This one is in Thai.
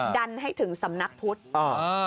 ดันให้ถึงสำนักพุทธ